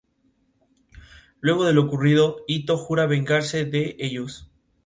El nuevo proyecto político está auspiciado por la alcaldesa de Barcelona Ada Colau.